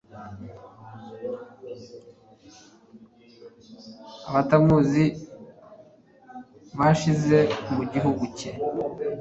abatamuzi bashize mu gihugu cye